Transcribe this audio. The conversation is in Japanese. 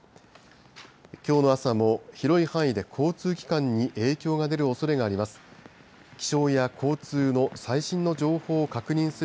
きょうの朝も広い範囲で交通機関に影響が出るおそれがあります。